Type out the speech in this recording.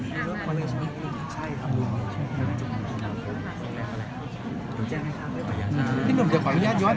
เพราะว่าติ๊กเขาเป็นคนที่ดูแลสุขภาพ